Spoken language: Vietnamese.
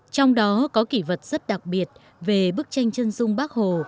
trong đó có kỷ vật rất đặc biệt về bức tranh chân dung bác hồ